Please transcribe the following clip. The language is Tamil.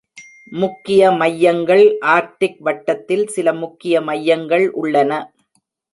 முக்கிய மையங்கள் ஆர்க்டிக் வட்டத்தில் சில முக்கிய மையங்கள் உள்ளன.